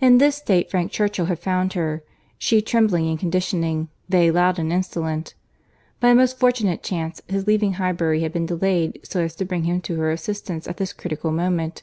In this state Frank Churchill had found her, she trembling and conditioning, they loud and insolent. By a most fortunate chance his leaving Highbury had been delayed so as to bring him to her assistance at this critical moment.